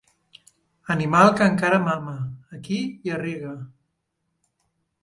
Animal que encara mama, aquí i a Riga.